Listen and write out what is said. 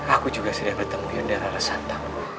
aku juga sudah bertemu yondara resantamu